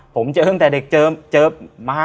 ผมเจอตั้งแต่เด็กเจอม้า